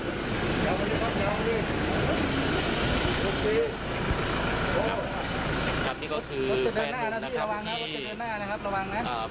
ครับครับนี่ก็คือแผนลงนะครับที่ระวังนะครับระวังนะ